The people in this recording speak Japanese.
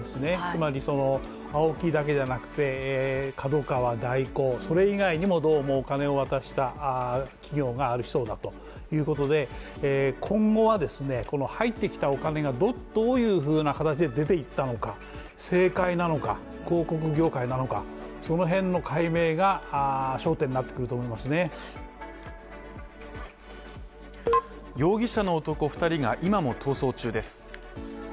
つまり、ＡＯＫＩだけではなくてＫＡＤＯＫＡＷＡ、大広、それ以外にも、どうもお金を渡した企業がありそうだということで今後は、この入ってきたお金がどういうふうな形で出ていったのか、政界なのか、広告業界なのか、その辺の解明が焦点になってくると思いますね容疑者の男２人が今も逃走中です。